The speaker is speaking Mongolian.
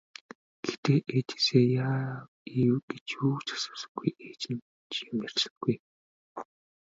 Гэхдээ ээжээсээ яав ийв гэж юу ч асуусангүй, ээж нь ч юм ярьсангүй.